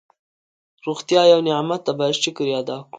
روغتیا یو نعمت ده باید شکر یې ادا کړو.